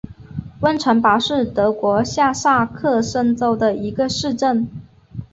温岑堡是德国下萨克森州的一个市镇。